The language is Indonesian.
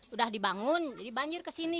udah dibangun jadi banjir ke sini